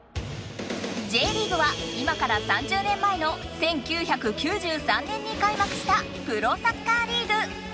Ｊリーグは今から３０年前の１９９３年に開幕したプロサッカーリーグ。